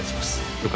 了解